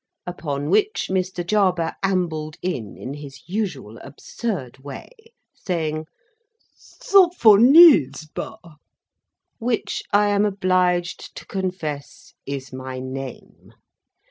Upon which Mr. Jarber ambled in, in his usual absurd way, saying: "Sophonisba!" Which I am obliged to confess is my name.